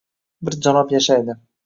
bir janob yashaydi.